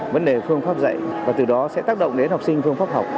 vấn đề phương pháp dạy và từ đó sẽ tác động đến học sinh phương pháp học